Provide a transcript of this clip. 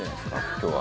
今日は。